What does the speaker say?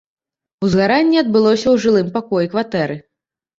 Узгаранне адбылося ў жылым пакоі кватэры.